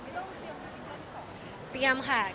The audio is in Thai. แต่ไม่ต้องเตรียมกับพี่แทนของ